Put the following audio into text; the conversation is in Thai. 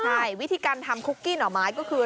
ใช่วิธีการทำคุกกี้หน่อไม้ก็คือ